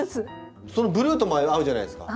ブルーとも合うじゃないですか。